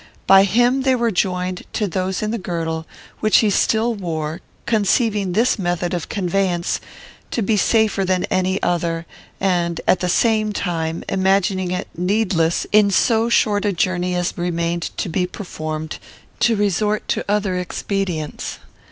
By him they were joined to those in the girdle, which he still wore, conceiving this method of conveyance to be safer than any other, and, at the same time, imagining it needless, in so short a journey as remained to be performed, to resort to other expedients.